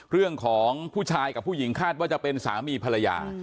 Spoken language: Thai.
เรื่องของผู้ชายกับผู้หญิงคาดว่าจะเป็นสามีภรรยา